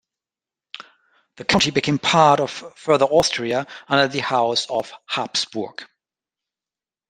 The county became part of Further Austria under the house of Habsburg.